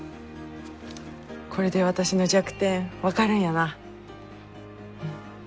これで私の弱点分かるんやな。